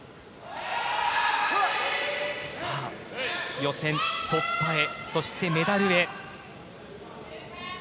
予選突破へそしてメダルへ。